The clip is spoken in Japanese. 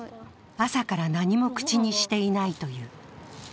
朝から何も口にしていないという。